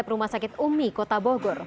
rumah sakit umi kota bogor